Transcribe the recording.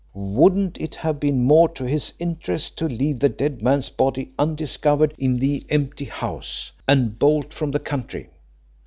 Wouldn't it have been more to his interest to leave the dead man's body undiscovered in the empty house and bolt from the country?